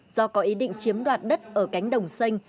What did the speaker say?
do có ý định chiếm đoạt đất ở cánh đồng xanh